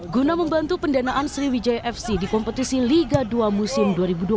guna membantu pendanaan sriwijaya fc di kompetisi liga dua musim dua ribu dua puluh empat dua ribu dua puluh lima